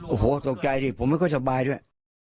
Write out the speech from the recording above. โอ้โหตกใจสิผมไม่ค่อยสบายด้วย